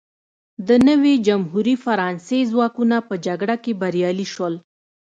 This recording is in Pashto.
د نوې جمهوري فرانسې ځواکونه په جګړه کې بریالي شول.